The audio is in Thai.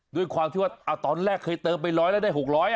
ด้วยความที่ว่าตอนแรกเคยเติมไป๑๐๐แล้วได้๖๐๐บาท